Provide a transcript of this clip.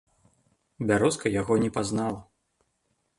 Бярозка яго не пазнала.